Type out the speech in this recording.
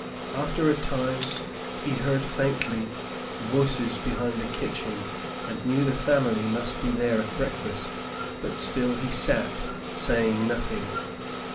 After a time, he heard faintly voices beyond the kitchen, and knew the family must be there at breakfast, but still he sat, saying nothing.